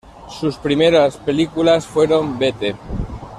Sus primeras películas fueron "¡Vete!